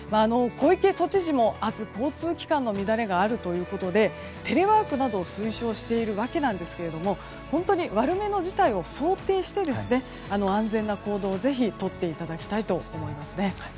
小池知事も明日、交通機関の乱れがあるということでテレワークなどを推奨しているわけなんですけども本当に悪めの事態を想定して安全な行動をぜひとっていただきたいと思います。